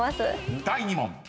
［第２問］